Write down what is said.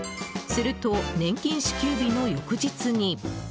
すると年金支給日の翌日に。